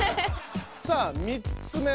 さあ３つ目。